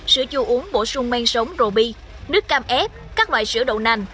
sữa chua uống bổ sung men sống roby nước cam ép các loại sữa đậu nành